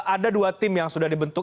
ada dua tim yang sudah dibentuk